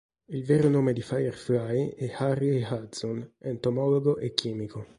Il vero nome di Firefly è Harley Hudson, entomologo e chimico.